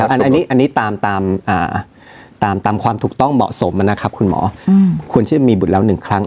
อันนี้ตามความถูกต้องเหมาะสมนะครับคุณหมอควรเชื่อมีบุตรแล้ว๑ครั้ง